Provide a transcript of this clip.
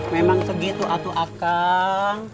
memang segitu atu akan